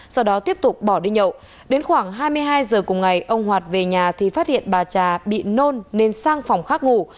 trong lúc bỏ đi nhậu đến khoảng hai mươi hai h cùng ngày ông hoạt về nhà thì phát hiện bà trà bị nôn nên sang phòng khắc ngủ